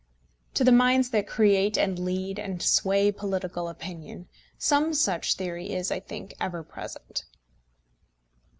To the minds that create and lead and sway political opinion, some such theory is, I think, ever present.